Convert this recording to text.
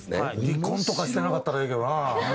離婚とかしてなかったらええけどな。